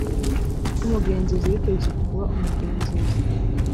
nk umugenzuzi biturutse ku kuba umugenzuzi